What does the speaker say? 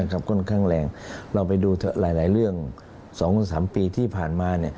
ค่อนข้างแรงเราไปดูหลายเรื่อง๒๓ปีที่ผ่านมา